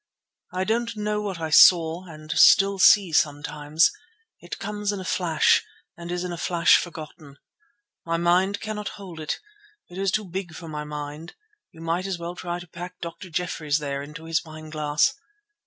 I don't know what I saw, and still see sometimes. It comes in a flash, and is in a flash forgotten. My mind cannot hold it. It is too big for my mind; you might as well try to pack Dr. Jeffreys there into this wineglass.